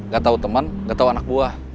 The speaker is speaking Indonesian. gak tahu teman nggak tahu anak buah